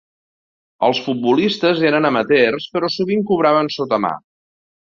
Els futbolistes eren amateurs però sovint cobraven sota mà.